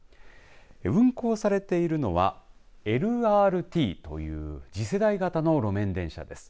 運行されているのはＬＲＴという次世代型の路面電車です。